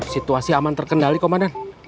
situasi aman terkendali komandan